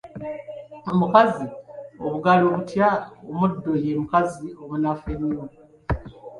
Omukazi bugalo butya omuddo ye mukazi omunafu ennyo.